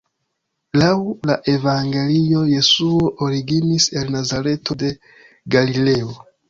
Laŭ la evangelioj, Jesuo originis el Nazareto de Galileo.